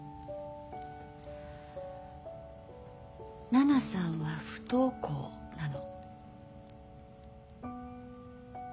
奈々さんは不登校なの。